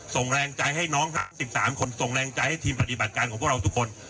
ส่งแรงใจให้น้องทั้ง๑๓คนส่งแรงใจให้ทีมปฏิบัติการของพวกเราทุกคน